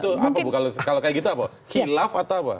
itu apa kalau seperti itu apa hilaf atau apa